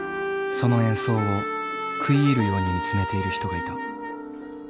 その演奏を食い入るように見つめている人がいた。